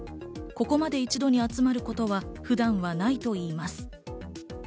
ここまで一度に集まることは普段はないといいます。